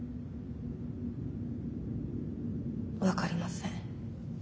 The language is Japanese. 分かりません。